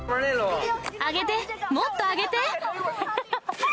上げて、もっと上げて。